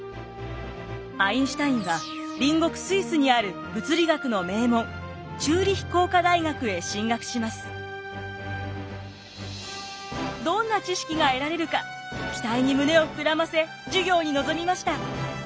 アインシュタインは隣国スイスにあるどんな知識が得られるか期待に胸を膨らませ授業に臨みました。